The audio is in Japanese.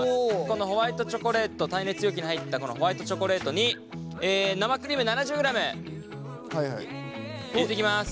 このホワイトチョコレート耐熱容器に入ったこのホワイトチョコレートに生クリーム７０ｇ入れていきます。